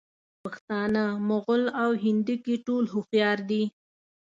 پښتانه، مغل او هندکي ټول هوښیار دي.